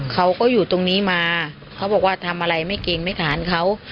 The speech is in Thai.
เขาก็อยู่ตรงนี้มาเขาบอกว่าทำอะไรไม่เก่งไม่ทานเขา